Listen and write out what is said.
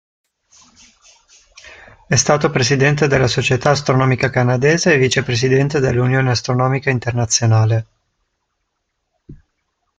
È stato presidente della Società Astronomica Canadese e vicepresidente dell'Unione Astronomica Internazionale.